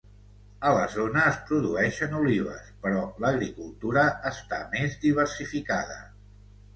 A la zona es produeixen olives però l'agricultura està més diversificada.